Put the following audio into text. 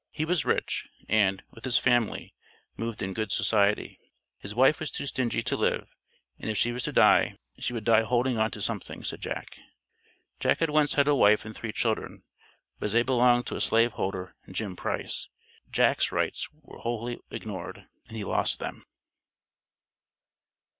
He was rich, and, with his family, moved in good society. "His wife was too stingy to live, and if she was to die, she would die holding on to something," said Jack. Jack had once had a wife and three children, but as they belonged to a slave holder ("Jim Price") Jack's rights were wholly ignored, and he lost them.